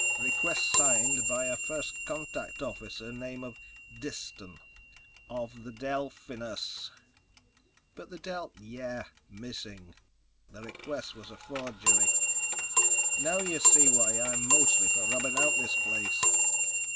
Request signed by a First Contact officer name of Diston ... of the Delphinus!" "But the Del—" "Yeah. Missing. The request was a forgery. Now you see why I'm mostly for rubbing out this place.